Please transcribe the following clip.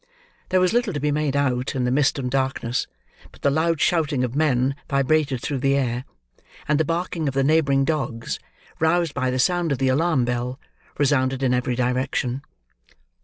There was little to be made out, in the mist and darkness; but the loud shouting of men vibrated through the air, and the barking of the neighbouring dogs, roused by the sound of the alarm bell, resounded in every direction.